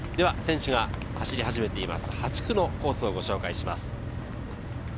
選手が走り始めている８区のコースをご紹介します。